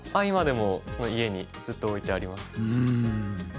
今でも家にずっと置いてあります。